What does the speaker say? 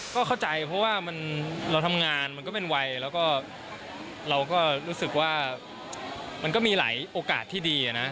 ก็เข้าใจเพราะว่าเราทำงานมันก็เป็นวัยแล้วก็เราก็รู้สึกว่ามันก็มีหลายโอกาสที่ดีนะ